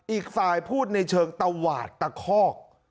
อีกฝ่ายพูดในเชิงตวาดตะคอก